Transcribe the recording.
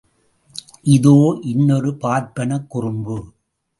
இதோ இன்னொரு பார்ப்பனக் குறும்பு!